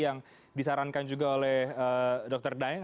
yang disarankan juga oleh dr daeng